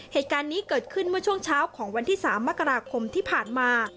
เหตุการณ์นี้เกิดขึ้นเมื่อช่วงเช้าของวันที่๓มกราคมที่ผ่านมา